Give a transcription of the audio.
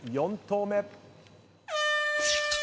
４投目。